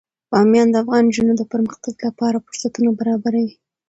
بامیان د افغان نجونو د پرمختګ لپاره فرصتونه برابروي.